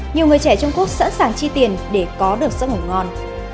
nhiều người trẻ trung quốc sẵn sàng chi tiền để có được sức ngủ ngon